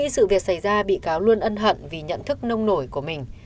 xảy ra bị cáo luôn ân hận vì nhận thức nông nổi của mình